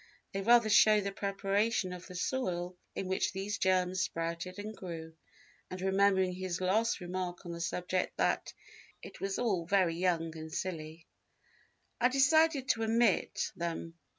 They rather show the preparation of the soil in which those germs sprouted and grew; and, remembering his last remark on the subject that "it was all very young and silly," I decided to omit them.